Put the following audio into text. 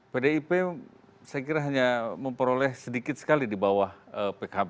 pdip saya kira hanya memperoleh sedikit sekali di bawah pkb